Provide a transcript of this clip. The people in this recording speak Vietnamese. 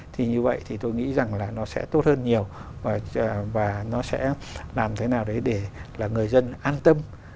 thì như vậy thì tôi nghĩ rằng là nó sẽ tốt hơn nhiều và nó sẽ làm thế nào đấy để là người dân an tâm